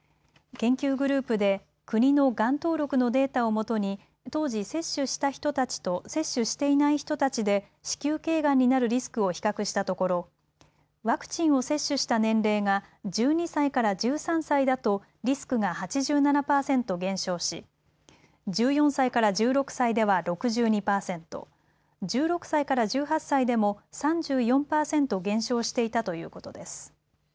研究グループで国のがん登録のデータをもとに当時、接種した人たちと接種していない人たちで子宮けいがんになるリスクを比較したところワクチンを接種した年齢が１２歳から１３歳だとリスクが８７％減少し、１４歳から１６歳では６２％、１６歳から１８歳でも３４％減少していたということです。